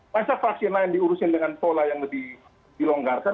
masa vaksin lain diurusin dengan pola yang lebih dilonggarkan